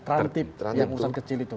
rantip yang urusan kecil itu